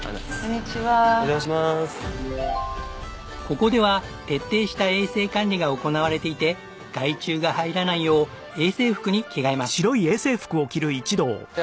ここでは徹底した衛生管理が行われていて害虫が入らないよう衛生服に着替えます。